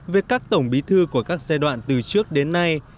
về các tổng bí thư của các giai đoạn từ trước đến nay